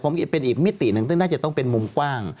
ผมจะเป็นอีกมิติหนึ่งซึ่งน่าจะต้องเป็นมุมกว้าง